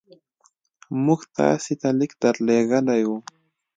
موږ تاسي ته لیک درلېږلی وو.